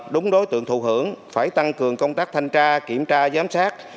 đúng đối tượng thù hưởng phải tăng cường công tác thanh tra kiểm tra giám sát